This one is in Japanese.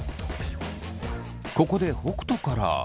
ここで北斗から。